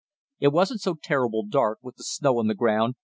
"] "It wasn't so terrible dark, with the snow on the ground.